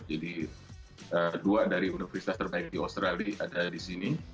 jadi dua dari universitas terbaik di australia ada di sini